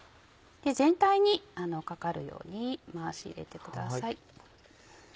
全体にかかるように回し入れてください。